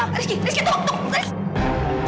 pak rizky rizky tunggu tunggu rizky